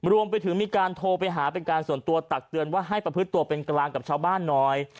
รวมไปถึงมีการโทรไปหาเป็นการส่วนตัวตักเตือนว่าให้ประพฤติตัวเป็นกลางกับชาวบ้านหน่อย